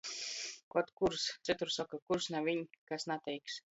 Kod kurs, cytur soka – kurs naviņ, kas nateiks.